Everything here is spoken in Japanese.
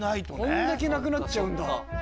こんだけなくなっちゃう。